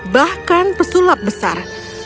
bahkan pesulap besar